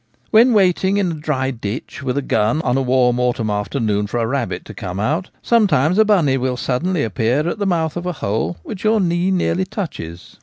When waiting in a dry ditch with a gun on a warm autumn afternoon for a rabbit to come out, sometimes a bunny will suddenly appear at the mouth of a hole which your knee nearly touches.